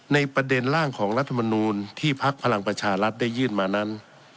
ในประเด็นร่างของรัฐมนูลที่พักพลังประชารัฐได้ยื่นมานั้น